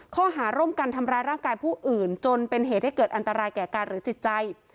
ข้อหาร่วมกันทำร้ายร่างกายผู้อื่นจนเป็นเหตุให้เกิดอันตรายแก่กายหรือจิตใจ